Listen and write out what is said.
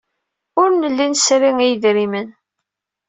Ur nelli nesri i yedrimen.